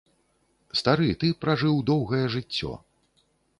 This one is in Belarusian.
Стары, ты пражыў доўгае жыццё.